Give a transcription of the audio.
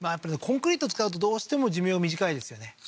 コンクリート使うとどうしても寿命短いですよね